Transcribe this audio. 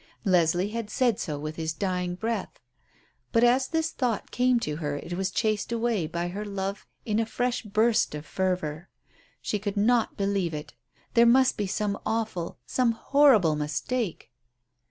Leslie had said so with his dying breath. But as this thought came to her it was chased away by her love in a fresh burst of fervour. She could not believe it. There must be some awful, some horrible mistake.